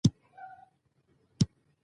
خو وروسته یې په سخت خپګان لیدل